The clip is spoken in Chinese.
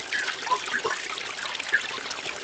首都红卫兵纠察队。